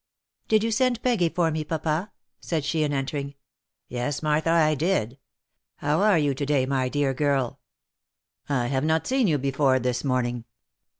" Did you send Peggy for me, papa ?" said she in entering. "Yes, Martha dear, I did. How are you to day, my dear girl? I have not seen' you before this morning.